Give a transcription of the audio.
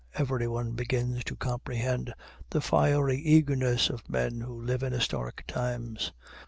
Everyone begins to comprehend the fiery eagerness of men who live in historic times.